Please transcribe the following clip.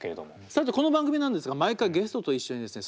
さてこの番組なんですが毎回ゲストと一緒にですね